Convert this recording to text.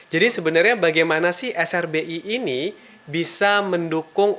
jadi sebenarnya bagaimana sih srbi ini bisa mendukung